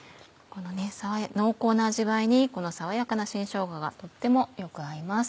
濃厚な味わいにこの爽やかな新しょうががとってもよく合います。